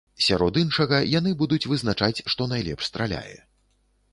Сярод іншага, яны будуць вызначаць, што найлепш страляе.